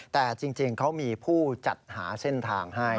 แต่จริงเขามีผู้จัดหาเส้นทางให้